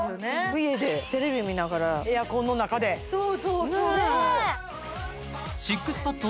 家でテレビ見ながらエアコンの中でそうそうそうそうＳＩＸＰＡＤ